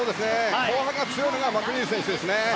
後半が強いのがマクニール選手です。